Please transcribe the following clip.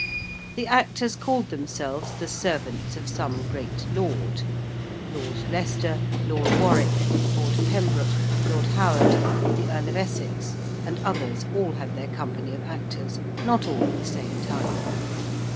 The actors called themselves the servants of some great lord. Lord Leicester, Lord Warwick, Lord Pembroke, Lord Howard, the Earl of Essex, and others all had their company of actors not all at the same time.